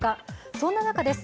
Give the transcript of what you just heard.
そんな中です。